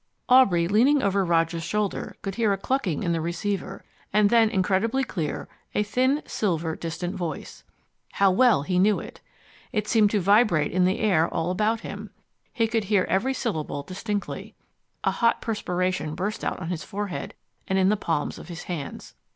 Aubrey, leaning over Roger's shoulder, could hear a clucking in the receiver, and then, incredibly clear, a thin, silver, distant voice. How well he knew it! It seemed to vibrate in the air all about him. He could hear every syllable distinctly. A hot perspiration burst out on his forehead and in the palms of his hands.